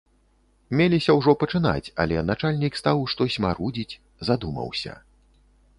Меліся ўжо пачынаць, але начальнік стаў штось марудзіць, задумаўся.